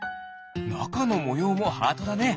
なかのもようもハートだね！